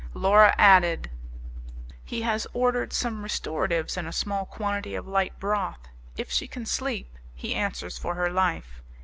Laura added, "He has ordered some restoratives and a small quantity of light broth; if she can sleep, he answers for her life.